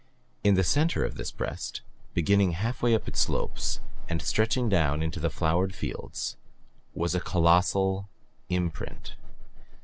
In the center of this breast, beginning half way up its slopes and stretching down into the flowered fields was a colossal imprint.